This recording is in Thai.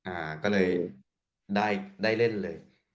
อ่าก็เลยได้เล่นเลย